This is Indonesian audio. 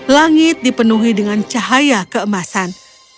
langit dipenuhi dengan cahaya keemasan